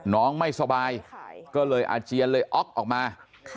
ไม่สบายก็เลยอาเจียนเลยอ๊อกออกมา